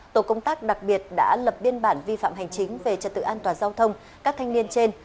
tổ công tác đặc biệt đã lập biên bản vi phạm hành chính về trật tự an toàn giao thông các thanh niên trên